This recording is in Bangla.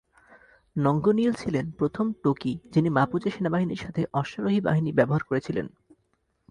নঙ্গোনিয়েল ছিলেন প্রথম টোকি যিনি মাপুচে সেনাবাহিনীর সাথে অশ্বারোহী বাহিনী ব্যবহার করেছিলেন।